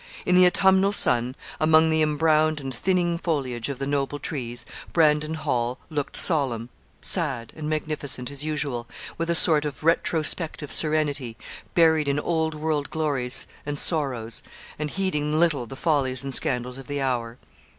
In the autumnal sun, among the embrowned and thinning foliage of the noble trees, Brandon Hall looked solemn, sad and magnificent, as usual, with a sort of retrospective serenity, buried in old world glories and sorrows, and heeding little the follies and scandals of the hour.